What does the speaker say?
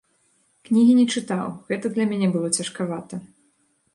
Кнігі не чытаў, гэта для мяне было цяжкавата.